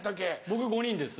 僕５人です。